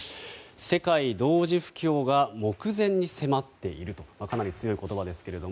世界同時不況が目前に迫っているとかなり強い言葉ですけど。